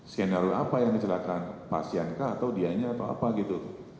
skenario apa yang kecelakaan pasien kah atau dianya atau apa gitu